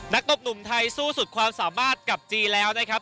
ตบหนุ่มไทยสู้สุดความสามารถกับจีนแล้วนะครับ